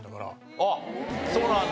あっそうなんだ。